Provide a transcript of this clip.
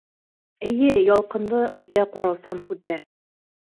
Эйе, ялҡынлы, үтә ҡараусан күҙҙәр!